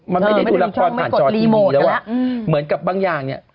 มันไม่ได้ดูละครผ่านจอทีวีแล้วอ่ะเหมือนกับบางอย่างเนี่ย